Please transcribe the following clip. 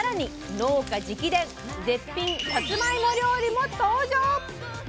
農家直伝絶品さつまいも料理も登場！